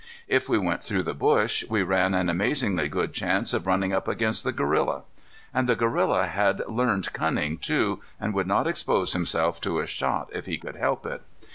If we went through the bush, we ran an amazingly good chance of running up against the gorilla. And the gorilla had learned cunning, too, and would not expose himself to a shot if he could help it.